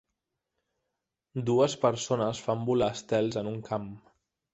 Dues persones fan volar estels en un camp